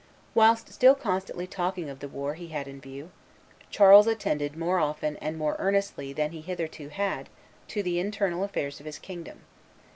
Whilst still constantly talking of the war he had in view, Charles attended more often and more earnestly than he hitherto had to the internal affairs of his kingdom.